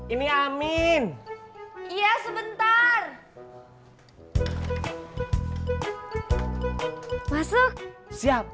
ini amin iya sebentar masuk siap